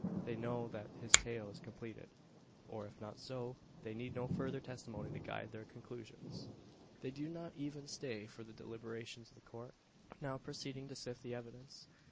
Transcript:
They know that his tale is completed; or, if not so, they need no further testimony to guide their conclusions. They do not even stay for the deliberations of the Court, now proceeding to sift the evidence.